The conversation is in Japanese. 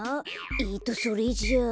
えっとそれじゃあ。